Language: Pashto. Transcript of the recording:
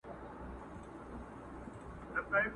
که زما منۍ د دې لولۍ په مینه زړه مه تړی!